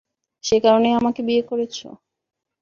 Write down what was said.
সেই কারণেই আমাকে বিয়ে করেছো?